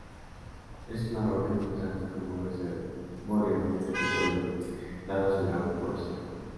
Es una roca importante como reservorio de petróleo, dada su gran porosidad.